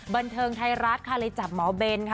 บันเทิงไทยรัฐค่ะเลยจับหมอเบนค่ะ